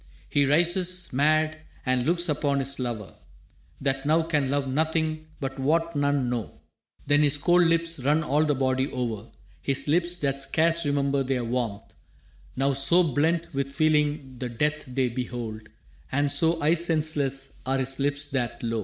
He rises, mad, and looks upon his lover, That now can love nothing but what none know. Then his cold lips run all the body over His lips that scarce remember their warmth, now So blent with feeling the death they behold; And so ice senseless are his lips that, lo!